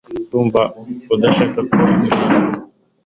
Ndumva udashaka ko ngenda